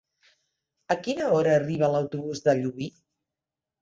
A quina hora arriba l'autobús de Llubí?